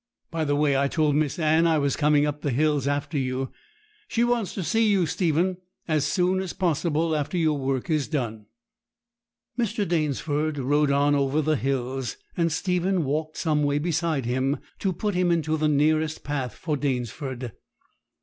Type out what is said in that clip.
By the way, I told Miss Anne I was coming up the hills after you. She wants to see you, Stephen, as soon as possible after your work is done.' Mr. Danesford rode on over the hills, and Stephen walked some way beside him, to put him into the nearest path for Danesford.